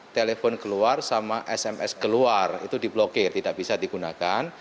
telepon keluar sama sms keluar itu diblokir tidak bisa digunakan